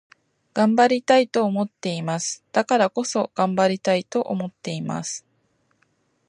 頑張りたいと思っています。だからこそ、頑張りたいと思っています。